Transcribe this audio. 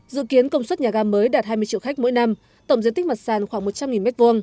dự kiến công suất nhà ga mới đạt hai mươi triệu khách mỗi năm tổng diện tích mặt sàn khoảng một trăm linh m hai